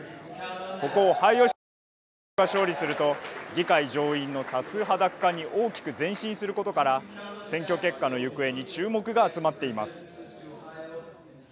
ここオハイオ州で共和党が勝利すると議会上院の多数派奪還に大きく前進することから選挙結果の行方に注目が集まっています。